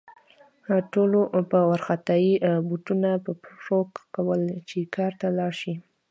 ټولو په وارخطايي بوټونه په پښو کول چې کار ته لاړ شي